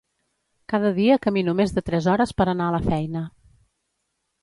Cada dia camino més de tres hores per anar a la feina.